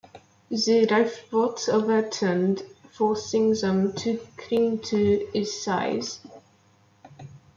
The lifeboat overturned, forcing them to cling to its size.